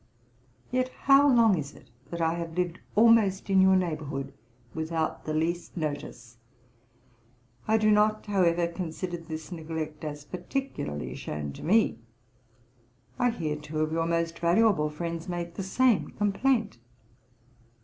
Yet how long is it that I have lived almost in your neighbourhood without the least notice. I do not, however, consider this neglect as particularly shown to me; I hear two of your most valuable friends make the same complaint.